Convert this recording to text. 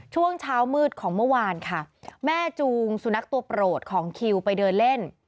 ช่วงเช้ามืดของเมื่อวานค่ะแม่จูงสุนัขตัวโปรดของคิวไปเดินเล่น